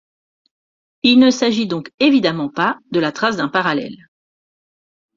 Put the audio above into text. Il ne s'agit donc évidemment pas de la trace d'un parallèle.